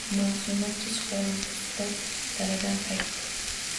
Maʼsuma kech qorongʼusida daladan qaytdi.